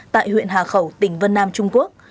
tại huyện hà khẩu tỉnh vân nam trung quốc